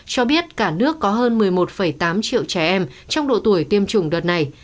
cho biết cả nước có hơn một mươi một tám triệu trẻ em trong độ tuổi tiêm chủng đợt này